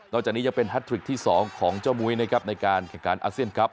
นอกจากนี้จะเป็นแฮดทริคที่๒ของเจ้ามุยในการแข่งการอาเซียนกรัฟ